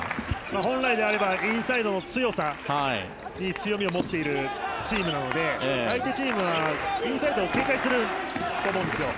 本来であればインサイドの強さに強みを持っているチームなので相手チームはインサイドを警戒すると思うんですよ。